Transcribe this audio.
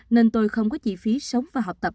nên tôi không có chi phí sống và học tập